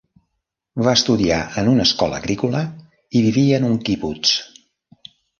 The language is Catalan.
Va estudiar en una escola agrícola i vivia en un quibuts.